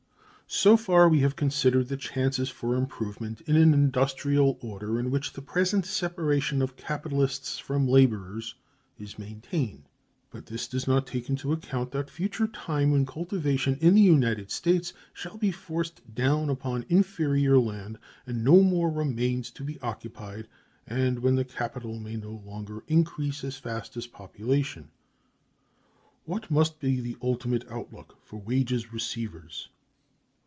So far we have considered the chances for improvement in an industrial order in which the present separation of capitalists from laborers is maintained. But this does not take into account that future time when cultivation in the United States shall be forced down upon inferior land, and no more remains to be occupied, and when capital may no longer increase as fast as population. What must be the ultimate outlook for wages receivers?